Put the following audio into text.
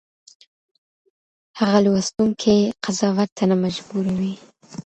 هغه لوستونکی قضاوت ته نه مجبوروي.